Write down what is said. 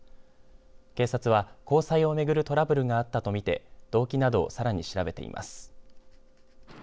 警察は交際を巡るトラブルがあったと見て動機などをさらに調べています。